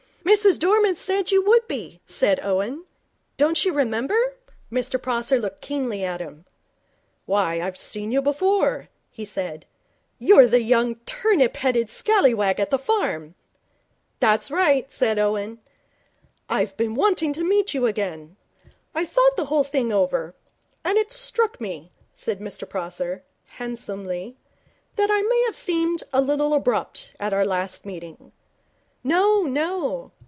'Mrs Dorman said you would be,' said Owen. 'Don't you remember?' Mr Prosser looked keenly at him. 'Why, I've seen you before,' he said. 'You're the young turnip headed scallywag at the farm.' 'That's right,' said Owen. 'I've been wanting to meet you again. I thought the whole thing over, and it struck me,' said Mr Prosser, handsomely, 'that I may have seemed a little abrupt at our last meeting.' 'No, no.'